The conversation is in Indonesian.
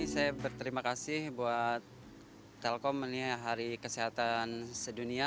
saya berterima kasih buat telkom hari kesehatan sedunia